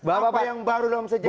apa yang baru dalam sejarah